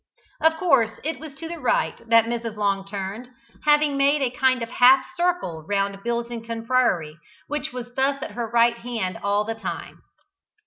Of course it was to the right that Mrs. Long turned, having made a kind of half circle round Bilsington Priory, which was thus at her right hand all the time.